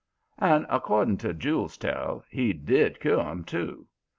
And, according to Jule's tell, he DID cure 'em, too.